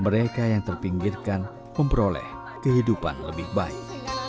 mereka yang terpinggirkan memperoleh kehidupan lebih baik